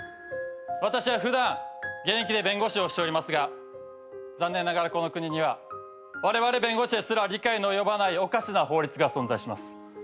私は普段現役で弁護士をしておりますが残念ながらこの国にはわれわれ弁護士ですら理解の及ばないおかしな法律が存在します。